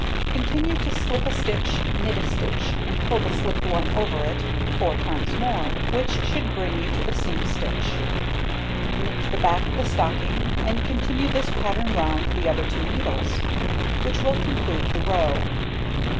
Continue to slip a stitch, knit a stitch, and pull the slipped one over it 4 times more, which should bring you to the seam stitch. Knit the back of the stocking, and continue this pattern round the other two needles, which will conclude the row.